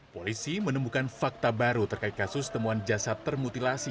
polisi menemukan fakta baru terkait kasus temuan jasad termutilasi